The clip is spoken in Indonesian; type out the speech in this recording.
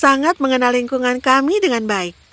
sangat mengenal lingkungan kami dengan baik